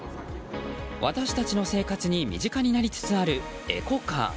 私たちの生活に身近になりつつあるエコカー。